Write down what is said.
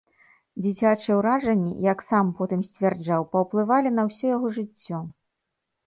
Дзіцячыя ўражанні, як сам потым сцвярджаў, паўплывалі на ўсё яго жыццё.